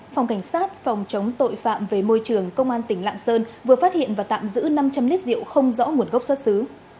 phòng cảnh sát phòng chống tội phạm về môi trường công an tỉnh lạng sơn vừa phát hiện và tạm giữ năm trăm linh lít rượu không rõ nguồn gốc xuất xứ